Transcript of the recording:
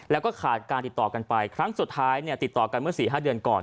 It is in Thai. แล้วก็ขาดการติดต่อกันไปครั้งสุดท้ายติดต่อกันเมื่อ๔๕เดือนก่อน